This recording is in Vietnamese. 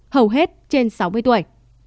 hầu hết trên sáu mươi tuổi